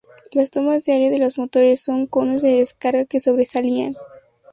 Las tomas de aire de los motores con conos de descarga que sobresalían.